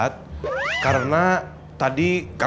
tiga satu dua